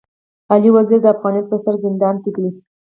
علي وزير د افغانيت پر سر زندان کي دی.